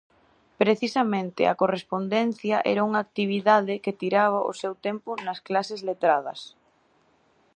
Precisamente a correspondencia era unha actividade que tiraba o seu tempo nas clases letradas.